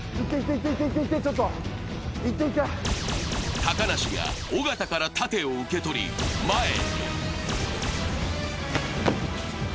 高梨が尾形から盾を受け取り、前へ。